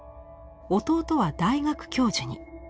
弟は大学教授に。